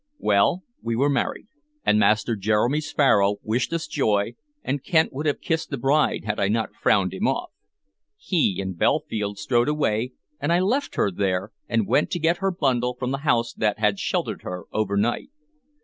Well, we were married, and Master Jeremy Sparrow wished us joy, and Kent would have kissed the bride had I not frowned him off. He and Belfield strode away, and I left her there, and went to get her bundle from the house that had sheltered her overnight.